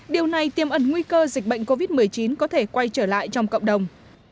điều này tiêm ẩn nguy cơ dịch bệnh covid một mươi chín có thể quay trở lại trong cộng đồng